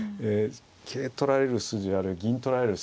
桂取られる筋がある。